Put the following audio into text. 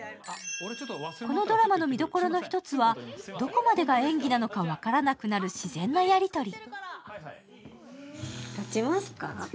このドラマの見どころの１つは、どこまでか演技か分からなくなる自然なやり取り。